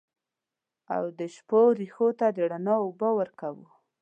او د شپو رېښو ته د رڼا اوبه ورکوو